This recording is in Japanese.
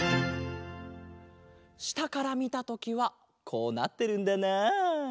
したからみたときはこうなってるんだな。